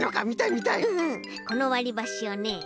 このわりばしをね